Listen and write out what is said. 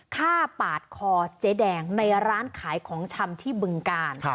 ฆ่าปาดคอเจ๊แดงในร้านขายของชำที่บึงกาล